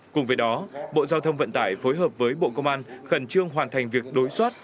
cùng với đó bộ giao thông vận tải phối hợp với bộ công an khẩn trương hoàn thành việc đối soát